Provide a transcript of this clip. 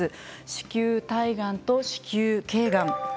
子宮体がんと子宮けいがん。